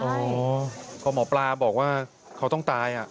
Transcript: อ๋อก็หมอปลาบอกว่าเขาต้องตาย